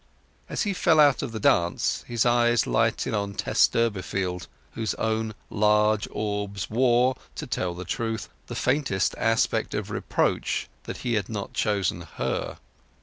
As he fell out of the dance his eyes lighted on Tess Durbeyfield, whose own large orbs wore, to tell the truth, the faintest aspect of reproach that he had not chosen her.